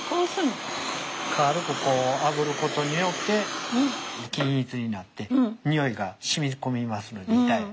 軽くこうあぶることによって均一になってにおいが染み込みますので板へ。